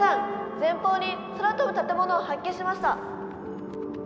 前方に空飛ぶ建物を発見しました！」。